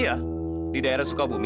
iya di daerah sukabumi